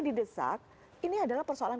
didesak ini adalah persoalan